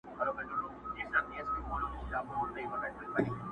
څه ښه وايي « بنده راسه د خدای خپل سه؛